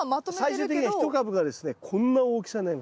最終的には一株がですねこんな大きさになります。